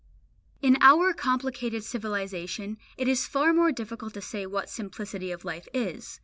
In our complicated civilisation it is far more difficult to say what simplicity of life is.